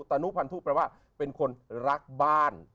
อนุพันธุแปลว่าเป็นคนรักบ้าน